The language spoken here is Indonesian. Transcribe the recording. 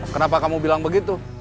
kenapa kamu bilang begitu